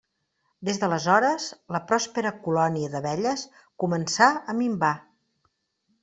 Des d'aleshores, la pròspera colònia d'abelles començà a minvar.